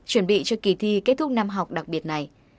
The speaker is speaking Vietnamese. chuẩn bị cho kỳ thi kết thúc năm học đặc biệt này